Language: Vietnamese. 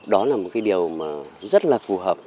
đó là một cái điều mà rất là phù hợp